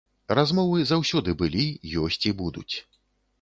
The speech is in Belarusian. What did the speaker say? Размовы заўсёды былі, ёсць і будуць.